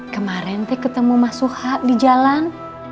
kemarin teh ketemu masuha di jalan